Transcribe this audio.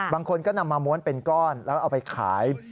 บางคนก็นำมาม้วนเป็นก้อนแล้วเอาไปขาย